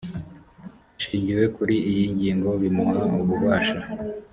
hashingiwe kuri iyi ngingo bimuha ububasha